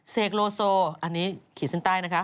เสกโลโซอันนี้ขีดเส้นใต้นะคะ